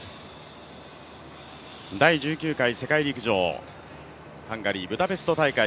第１９回世陸陸上ハンガリー・ブダペスト大会。